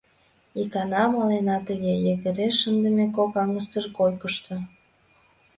Икана малена тыге, йыгыре шындыме кок аҥысыр койкышто.